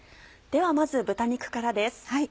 ではまず豚肉からです。